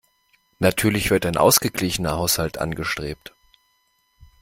Natürlich wird ein ausgeglichener Haushalt angestrebt.